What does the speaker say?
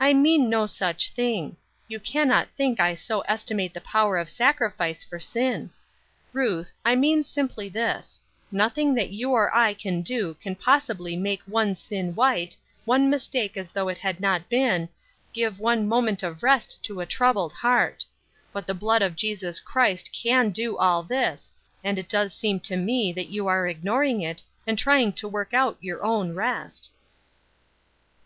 "I mean no such thing. You cannot think I so estimate the power of the sacrifice for sin. Ruth, I mean simply this: Nothing that you or I can do can possibly make one sin white, one mistake as though it had not been, give one moment of rest to a troubled heart. But the blood of Jesus Christ can do all this, and it does seem to me that you are ignoring it, and trying to work out your own rest."